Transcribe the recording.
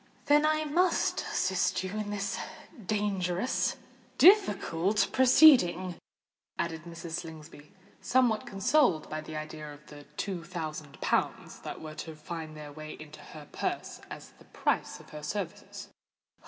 "Then I must assist you in this dangerous—difficult proceeding," added Mrs. Slingsby, somewhat consoled by the idea of the two thousand pounds that were to find their way into her purse as the price of her services.